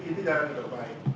ini jangan terlalu baik